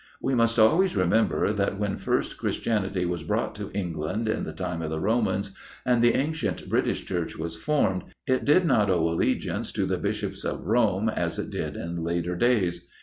We must always remember that when first Christianity was brought to England, in the time of the Romans, and the ancient British Church was formed, it did not owe allegiance to the Bishops of Rome as it did in later days.